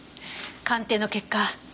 鑑定の結果